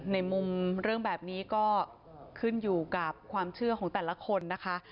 ในมุมเรื่องแบบนี้ก็ขึ้นอยู่กับความเชื่อของแต่ละคนนะคะ